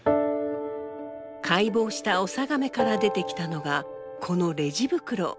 解剖したオサガメから出てきたのがこのレジ袋。